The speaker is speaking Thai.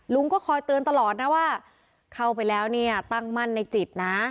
ลุงก็คอยเตือนตลอดนะว่าเข้าไปแล้วเนี่ยตั้งมั่นในจิตนะ